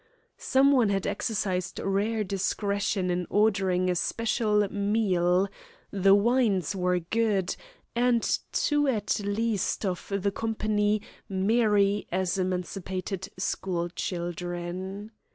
Someone had exercised rare discretion in ordering a special meal; the wines were good, and two at least of the company merry as emancipated school children.